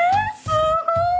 すごーい！